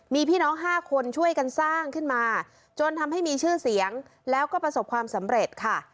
มีพี่น้อง๕คนช่วยกันสร้างขึ้นมาจนทำให้มีชื่อเสียงแล้วก็ประสบความสำเร็จค่ะ